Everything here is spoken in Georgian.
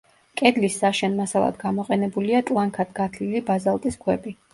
კედლის საშენ მასალად გამოყენებულია ტლანქად გათლილი ბაზალტის ქვები.